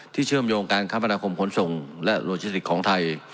เชื่อมโยงการคมนาคมขนส่งและโลจิสติกของไทย